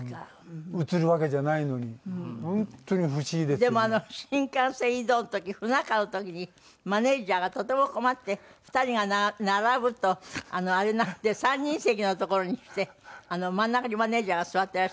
でも新幹線移動の時不仲の時にマネジャーがとても困って２人が並ぶとあれなので３人席の所にして真ん中にマネジャーが座ってらしたんですって？